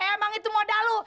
emang itu modal lu